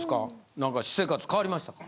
何か私生活変わりましたか？